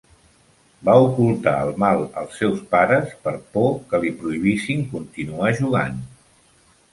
Va ocultar el mal als seus pares per por que li prohibissin continuar jugant.